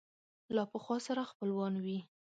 له پخوا سره خپلوان وي